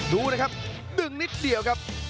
ดูนะครับดึงนิดเดียวครับ